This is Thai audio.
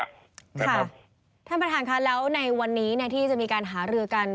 ท่านประธานค่ะแล้วในวันนี้ที่จะมีการหารือกัน